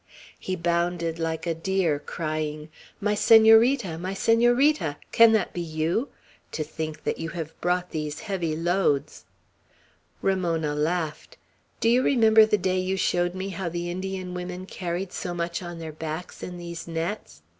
He bounded like a deer, crying, "My Senorita! my Senorita! Can that be you? To think that you have brought these heavy loads!" Ramona laughed. "Do you remember the day you showed me how the Indian women carried so much on their backs, in these nets?